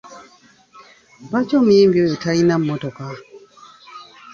Lwaki omuyimbi oyo talina mmotoka?